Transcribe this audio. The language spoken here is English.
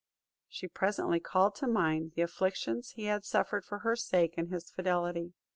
She presently called to mind the afflictions he had suffered for her sake, and his fidelity.